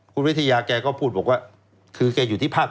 คุณวิทยาแกก็พูดบอกว่าคือแกอยู่ที่ภาค